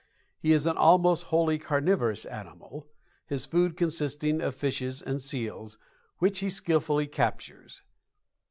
He is an almost wholly carnivorous animal, his food consisting of fishes and seals, which he skillfully captures.